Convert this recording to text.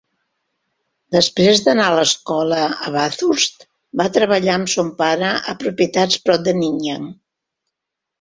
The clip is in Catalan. Després d'anar a l'escola a Bathurst, va treballar amb son pare a propietats prop de Nyngan.